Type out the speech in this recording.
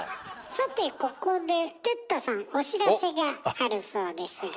さてここで哲太さんお知らせがあるそうですが。